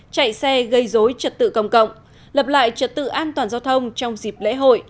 chạy xe gây dối trật tự công cộng lập lại trật tự an toàn giao thông trong dịp lễ hội